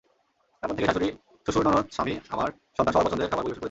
তারপর থেকে শ্বাশুড়ি শ্বশুর ননদ স্বামী আমার সন্তান সবার পছন্দের খাবার পরিবেশন করেছি।